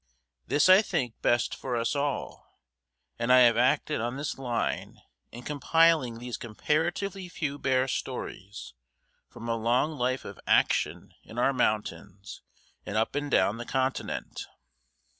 This I think best for us all, and I have acted on this line in compiling these comparatively few bear stories from a long life of action in our mountains and up and down the continent.